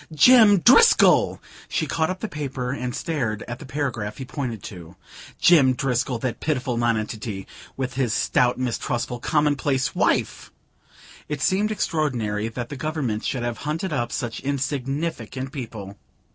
"Jim Driscoll !" She caught up the paper and stared at the paragraph he pointed to. Jim Driscoll that pitiful nonentity, with his stout mistrustful commonplace wife! It seemed extraordinary that the government should have hunted up such insignificant people.